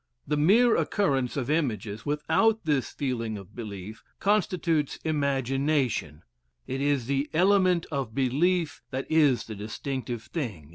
The mere occurrence of images, without this feeling of belief, constitutes imagination; it is the element of belief that is the distinctive thing in memory.